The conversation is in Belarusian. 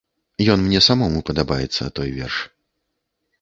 Ён мне самому падабаецца, той верш.